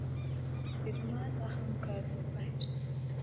پیرمرد اخم کرد و فحش داد.